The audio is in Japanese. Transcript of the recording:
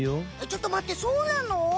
ちょっと待ってそうなの？